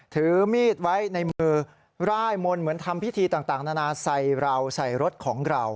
ถือมีดไว้ในมือร่ายมนต์เหมือนทำพิธีต่างนานาใส่เราใส่รถของเรา